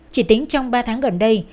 chỉ tính trong ba tháng gần đây